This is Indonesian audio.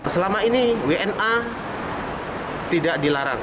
selama ini wna tidak dilarang